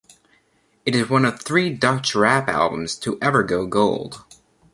It is one of three Dutch Rap Albums to ever go gold.